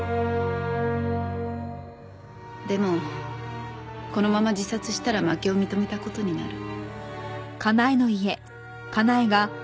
でもこのまま自殺したら負けを認めた事になる。